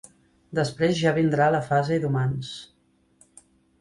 Després ja vindrà la fase d’humans.